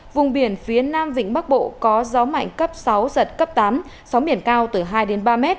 vùng biển phía nam vịnh bắc bộ có gió mạnh cấp sáu giật cấp tám sóng biển cao từ hai ba m